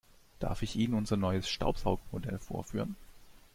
Darf ich Ihnen unser neues Staubsaugermodell vorführen?